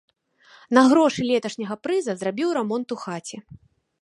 На грошы леташняга прыза зрабіў рамонт у хаце.